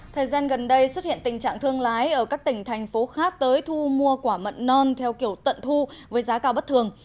thời gian gần đây xuất hiện tình trạng thương lái ở các tỉnh thành phố khác tới thu mua quả mận non theo kiểu tận thu với giá cao bất thường